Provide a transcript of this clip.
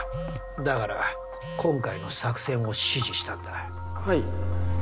だから今回の作戦を指示したんだ。